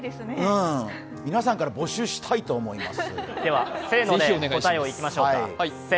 皆さんから募集したいと思います。